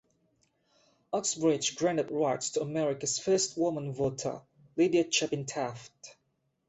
Uxbridge granted rights to America's first woman voter, Lydia Chapin Taft.